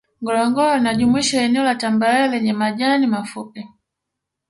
Ngorongoro inajumuisha eneo la tambarare lenye majani mafupi